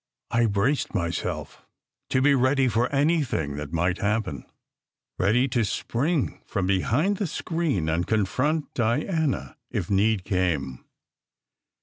I braced myself to be ready for anything that might happen, ready to spring from be hind the screen and confront Diana if need came.